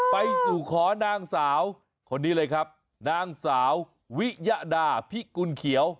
ไปสู่ขอนางสาวคนนี้เลยครับนางสาววิยดาพิกุลเขียว